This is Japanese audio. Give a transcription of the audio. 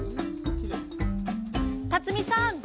辰巳さん